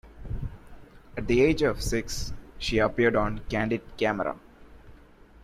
At the age of six, she appeared on "Candid Camera".